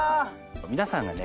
皆さんがね